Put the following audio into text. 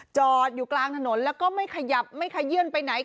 จอดอยู่กลางถนนแล้วไม่ขยับไม่เค้าเลื่อนไปไหน